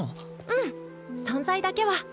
うん存在だけは。